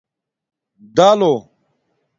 دالݸ